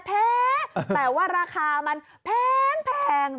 แปลว่าราคามันแพง